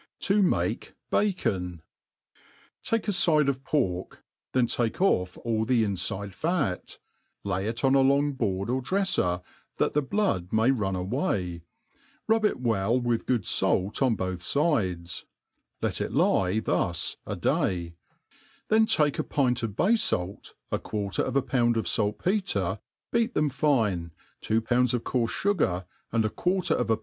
T'c make B<icon. Take a fide of pork, then take off all the infide fat, lay it on a long board or drei&r, that the blood may run away, rut> it well with good fait oq jsoth fides, let it lie thus a day ; then take a piiht of bay fait, a qiiarter of a pound of faltpecre, beat them fine,, two pounds of coarfe fugar, and a quarter of a.